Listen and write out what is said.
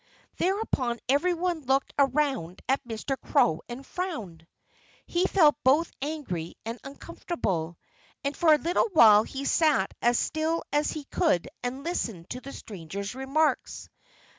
Thereupon everyone looked around at Mr. Crow and frowned. He felt both angry and uncomfortable. And for a little while he sat as still as he could and listened to the stranger's remarks.